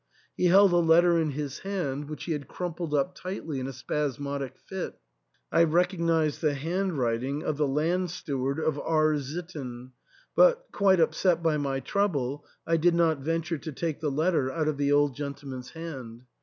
He held a letter in his hand, which he had crumpled up tightly in a spas modic fit. I recognised the hand writing of the land steward of R — sitten ; but, quite upset by my trouble, I did not venture to take the letter out of the old gen tleman's hand.